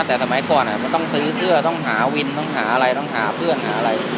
แต่สมัยก่อนมันต้องซื้อเสื้อต้องหาวินต้องหาอะไรต้องหาเพื่อนหาอะไร